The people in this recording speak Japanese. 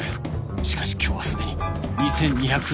しかし今日はすでに２２００円の出費